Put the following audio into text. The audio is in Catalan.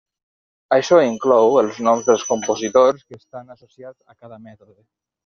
Això inclou els noms dels compositors que estan associats amb cada mètode.